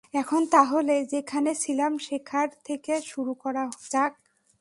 এখন তাহলে, যেখানে ছিলাম সেখার থেকে শুরু করা যাক?